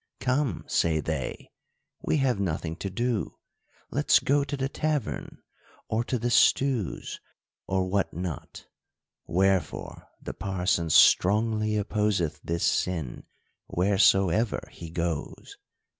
69 " Come," say they, " we have nothing to do ; let's go to the tavern, or to the otews ;" or what not ? Where fore the parson strongly opposeth this sin, wheresoever he goes.